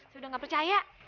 sudah gak percaya